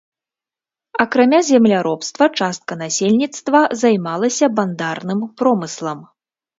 Акрамя земляробства частка насельніцтва займалася бандарным промыслам.